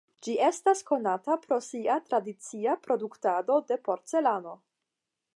Ĝi estas konata pro sia tradicia produktado de porcelano.